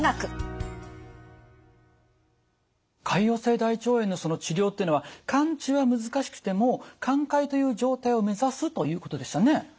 潰瘍性大腸炎のその治療っていうのは完治は難しくても寛解という状態を目指すということでしたね。